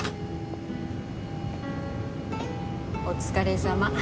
お疲れさま。